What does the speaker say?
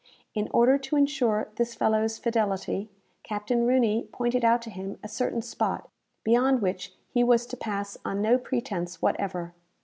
In order to insure this fellow's fidelity, Captain Rooney pointed out to him a certain spot, beyond which he was to pass on no pretence whatever.